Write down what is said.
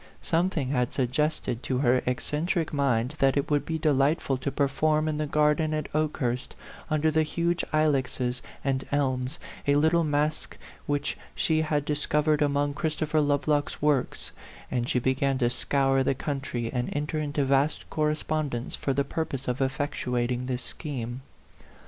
Something had suggested to her eccentric mind that it would be delightful to perform in the gar den at Okehurst, under the huge ilexes and elms, a little masque which she had discov ered among Christopher Lovelock's works; and she began to scour the country and en ter into vast correspondence for the purpose of effectuating this scheme.